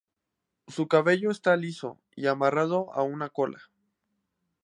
Su cabello esta liso y amarrado a una cola.